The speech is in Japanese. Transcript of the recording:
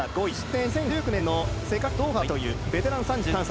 ２０１９年の世界陸上ドーハは４位というベテラン３３歳。